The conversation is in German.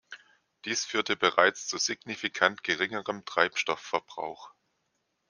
Dies führte bereits zu signifikant geringerem Treibstoffverbrauch.